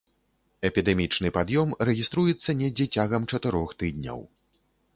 Эпідэмічны пад'ём рэгіструецца недзе цягам чатырох тыдняў.